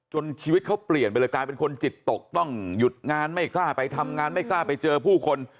ชีวิตเขาเปลี่ยนไปเลยกลายเป็นคนจิตตกต้องหยุดงานไม่กล้าไปทำงานไม่กล้าไปเจอผู้คน